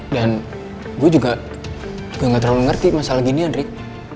dan gue juga gak terlalu ngerti masalah ginian rick